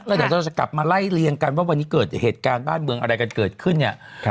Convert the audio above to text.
แล้วเดี๋ยวเราจะกลับมาไล่เลี่ยงกันว่าวันนี้เกิดเหตุการณ์บ้านเมืองอะไรกันเกิดขึ้นเนี่ย